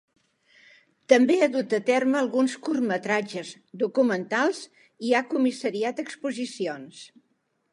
També ha dut a terme alguns curtmetratges, documentals i ha comissariat exposicions.